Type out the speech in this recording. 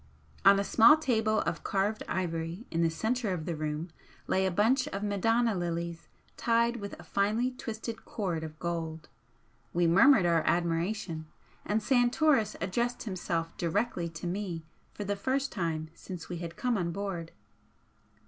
On a small table of carved ivory in the centre of the room lay a bunch of Madonna lilies tied with a finely twisted cord of gold. We murmured our admiration, and Santoris addressed himself directly to me for the first time since we had come on board.